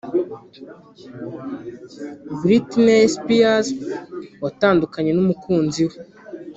Britney Spears watandukanye n’umukunzi we